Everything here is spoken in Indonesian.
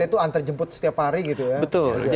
itu antar jemput setiap hari gitu ya betul